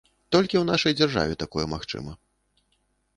Толькі ў нашай дзяржаве такое магчыма.